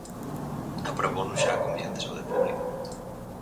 Aprobounos xa a Comisión de Saúde Pública.